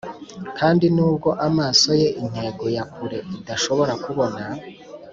kandi nubwo amaso ye intego ya kure idashobora kubona,